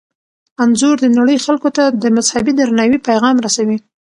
انځور د نړۍ خلکو ته د مذهبي درناوي پیغام رسوي.